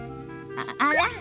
あら？